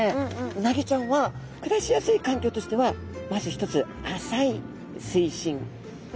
うなぎちゃんは暮らしやすい環境としてはまず一つ浅い水深。